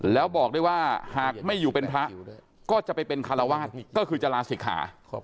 แล้วบอกได้ว่าหากไม่อยู่เป็นพระก็จะไปเป็นคารวาสก็คือจะลาศิกขา